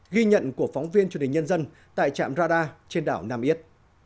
ghi nhận của phóng viên truyền hình nhân dân tại trạm radar trên đảo nam yết